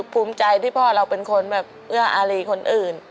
ภูมิใจที่พ่อเราเป็นคนแบบเอื้ออารีคนอื่น